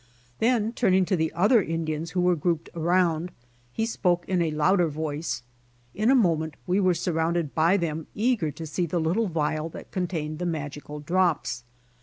Then turning to the other Indians who were grouped around, he spoke in a louder voice. In a moment we were surrounded by them eager to see the little vial that contained the magical drops.